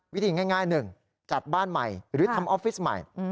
วิธีง่าย๑จัดบ้านใหม่หรือทำออฟฟิศใหม่